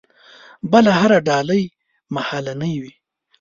بله هره ډالۍ مهالنۍ وي.